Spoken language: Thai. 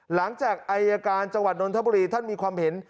หลังจากอายการจังหวัดนทบุรีท่านมีความเห็น